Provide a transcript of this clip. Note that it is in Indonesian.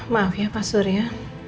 maaf ya pak surya